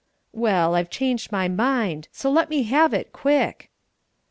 "Well, I've changed my mind, so let me have it, quick."